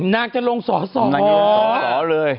น่าจะลงสออ๋อน่าจะลงสอเลย